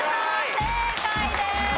正解です。